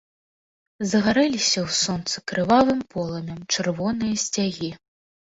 Загарэліся ў сонцы крывавым полымем чырвоныя сцягі.